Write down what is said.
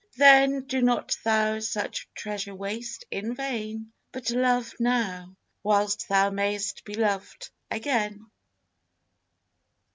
Then do not thou such treasure waste in vain, But love now, whilst thou may'st be loved again.